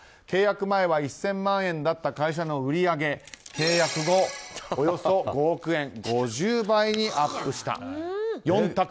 契約前は１０００万円だった会社の売り上げは契約後、およそ５億円５０倍にアップした。